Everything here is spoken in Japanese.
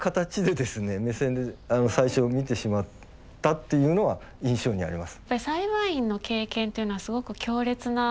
っていうのは印象にあります。